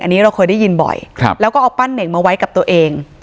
อันนี้เราเคยได้ยินบ่อยแล้วก็เอาปั้นเน่งมาไว้กับตัวเอง